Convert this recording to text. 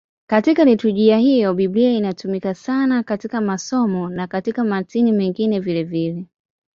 Katika liturujia hiyo Biblia inatumika sana katika masomo na katika matini mengine vilevile.